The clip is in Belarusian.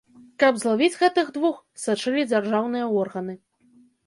Каб злавіць гэтых двух, сачылі дзяржаўныя органы.